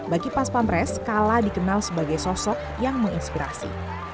bagi pas pampres kala dikenal sebagai sosok yang menginspirasi